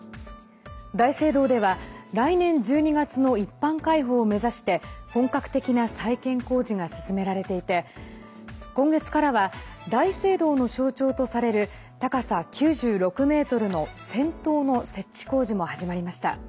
大聖堂では来年１２月の一般開放を目指して本格的な再建工事が進められていて今月からは大聖堂の象徴とされる高さ９６ｍの尖塔の設置工事も始まりました。